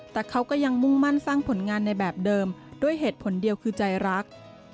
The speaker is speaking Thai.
แต่เขาก็ยังมุ่งมั่นสร้างผลงานในแบบเดิมด้วยเหตุผลเดียวคือใจรัก